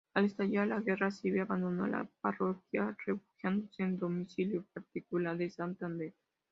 Al estallar la Guerra Civil, abandonó la parroquia, refugiándose en domicilio particular en Santander.